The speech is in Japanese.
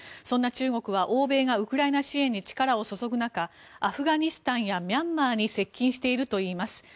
そんな中国は、欧米がウクライナ支援に力を注ぐ中アフガニスタンやミャンマーに接近しているといいます。